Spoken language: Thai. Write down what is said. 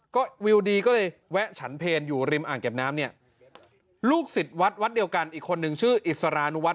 ก็วิวดีก็เลยแวะฉันเพลอยู่ริมอ่างเก็บน้ำเนี่ยลูกศิษย์วัดวัดเดียวกันอีกคนนึงชื่ออิสรานุวัฒ